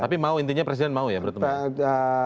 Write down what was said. tapi mau intinya presiden mau ya bertemu